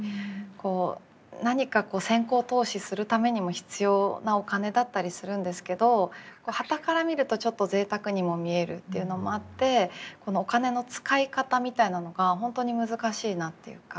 こう何か先行投資するためにも必要なお金だったりするんですけどはたから見るとちょっと贅沢にも見えるっていうのもあってこのお金の使い方みたいなのが本当に難しいなっていうか。